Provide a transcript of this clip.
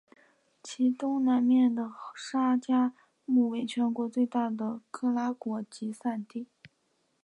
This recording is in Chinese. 其东南面的沙加穆为全国最大的可拉果集散地。